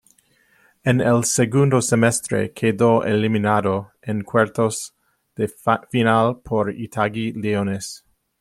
En el segundo semestre quedó eliminado en cuartos de final por Itagüí Leones.